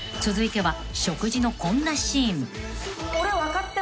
［続いては食事のこんなシーン］